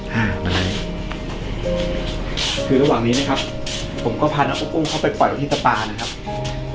ห้ามาเลยคือระหว่างนี้นะครับผมก็พาน้องอุ้มเข้าไปปล่อยตัวที่ตะปานะครับ